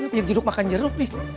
ini penyeduk makan jeruk nih